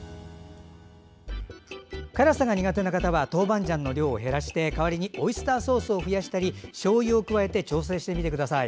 辛さが苦手な方は豆板醤の量を減らして代わりにオイスターソースを増やしたりしょうゆを加えて調整してください。